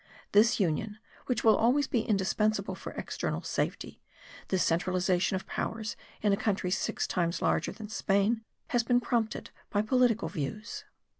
This union, which will always be indispensable for external safety, this centralization of powers in a country six times larger than Spain, has been prompted by political views.